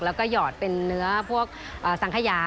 แล้วก็หยอดเป็นเนื้อพวกสังขยา